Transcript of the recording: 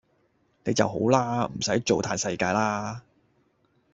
你就好啦！唔駛做嘆世界啦